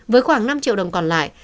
với khoảng năm triệu đồng còn lại